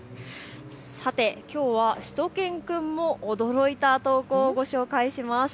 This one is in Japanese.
さて、きょうはしゅと犬くんも驚いた投稿をご紹介します。